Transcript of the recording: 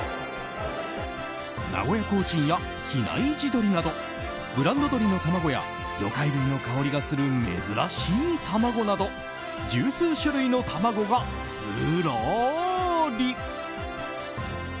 名古屋コーチンや比内地鶏などブランド鶏の卵や魚介類の香りがする珍しい卵など十数種類の卵が、ずらーり。